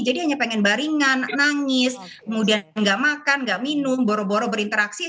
jadi hanya pengen baringan nangis kemudian gak makan gak minum boro boro berinteraksi